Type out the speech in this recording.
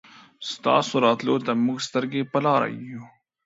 ستاسو راتلو ته مونږ سترګې په لار يو